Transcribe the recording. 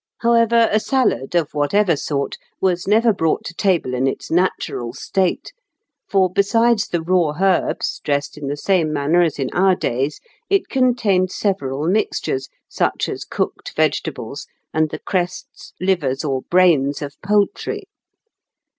However, a salad, of whatever sort, was never brought to table in its natural state; for, besides the raw herbs, dressed in the same manner as in our days, it contained several mixtures, such as cooked vegetables, and the crests, livers, or brains of poultry.